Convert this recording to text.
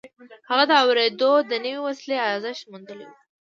هغه د اورېدلو د نوې وسيلې ارزښت موندلی و.